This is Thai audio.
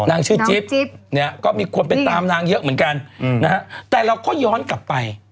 นางชื่อจิ๊บก็มีคนเป็นตามนางเยอะเหมือนกันแต่เราก็ย้อนกลับไป